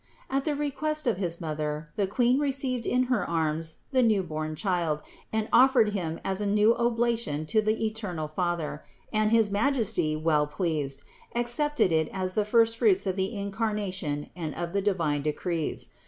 275. At the request of his mother the Queen received in her arms the new born child and offered him as a new oblation to the eternal Father, and his Majesty, well pleased, accepted it as the first fruits of the Incarnation and of the divine decrees.